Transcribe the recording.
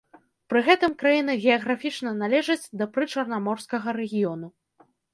Пры гэтым краіна геаграфічна належыць да прычарнаморскага рэгіёну.